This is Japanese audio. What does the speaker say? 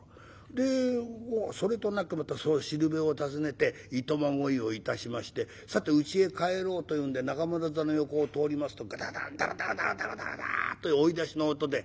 でそれとなくまたそのしるべを訪ねて暇乞いを致しましてさてうちへ帰ろうというんで中村座の横を通りますとガタガタガタガタガタッと追い出しの音で。